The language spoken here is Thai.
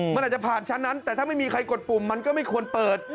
มันอาจจะผ่านชั้นนั้นแต่ถ้าไม่มีใครกดปุ่มมันก็ไม่ควรเปิด